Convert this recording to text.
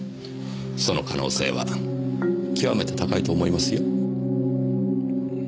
その可能性は極めて高いと思いますよ。